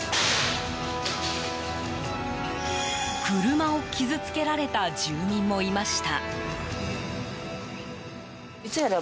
車を傷つけられた住民もいました。